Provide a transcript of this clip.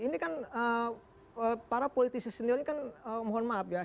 ini kan para politisi senior ini kan mohon maaf ya